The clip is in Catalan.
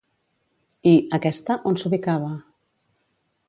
I, aquesta, on s'ubicava?